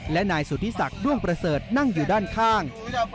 และนายสุธิศักดิ์ด้วงประเสริฐนั่งอยู่ด้านข้าง